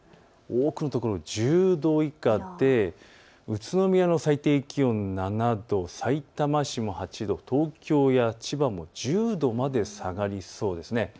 多くの所、１０度以下で宇都宮の最低気温７度、さいたま市も８度、東京や千葉も１０度まで下がりそうです。